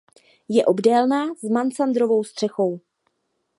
Je obdélná s mansardovou střechou.